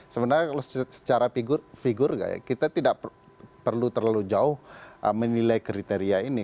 sebenarnya kalau secara figur kita tidak perlu terlalu jauh menilai kriteria ini